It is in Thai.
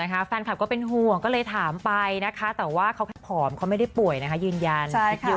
หล่อค่ะต้องการอย่างนี้ใช่ไหม